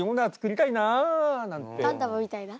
ガンダムみたいな？